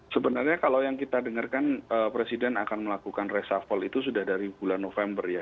sebenarnya kalau yang kita dengarkan presiden akan melakukan resafel itu sudah dari bulan november ya